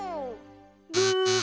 ブー！